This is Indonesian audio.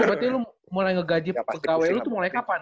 betul berarti lo mulai ngegaji pegawai lo tuh mulai kapan